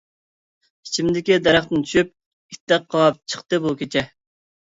ئىچىمدىكى دەرەختىن چۈشۈپ، ئىتتەك قاۋاپ چىقتى بۇ كېچە.